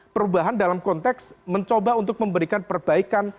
perubahan dalam konteks mencoba untuk memberikan perbaikan